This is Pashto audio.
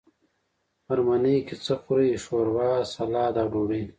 غرمنۍ کی څه خورئ؟ ښوروا، ، سلاډ او ډوډۍ